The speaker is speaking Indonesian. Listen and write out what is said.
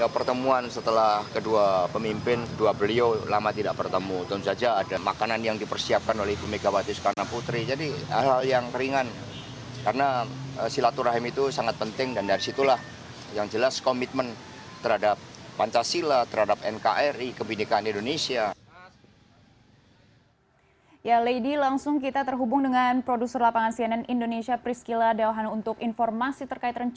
pertemuan tersebut dalam rangka silaturahmi sesama pimpinan partai